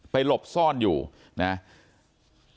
ไปหลบซ่อนอยู่นะฮะ